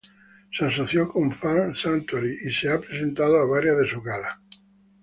Se asoció con Farm Sanctuary y se ha presentado a varias de sus galas.